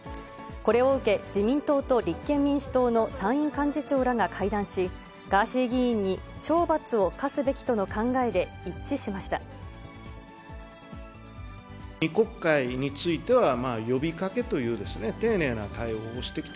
これを受け、自民党と立憲民主党の参院幹事長らが会談し、ガーシー議員に懲罰を科すべきとの考えで一致しました。